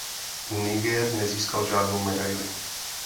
Niger nezískal žádnou medaili.